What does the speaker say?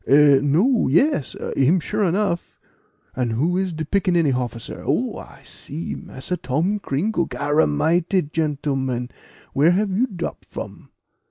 "Eh! no yes, him sure enough; and who is de picaniny hofficer Oh! I see, Massa Tom Cringle? Garamighty, gentlemen, where have you drop from?